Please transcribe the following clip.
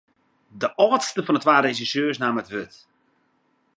De âldste fan de twa resjersjeurs naam it wurd.